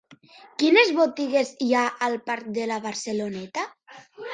Quines botigues hi ha al parc de la Barceloneta?